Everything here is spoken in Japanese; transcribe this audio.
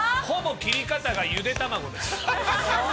ほぼ切り方がゆで卵です。